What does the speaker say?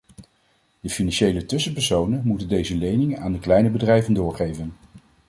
De financiële tussenpersonen moeten deze leningen aan de kleine bedrijven doorgeven.